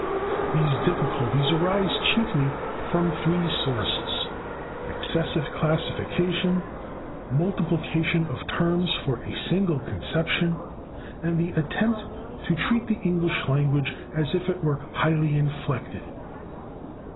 These difficulties arise chiefly from three sources excessive classification, multiplication of terms for a single conception, and the attempt to treat the English language as if it were highly inflected."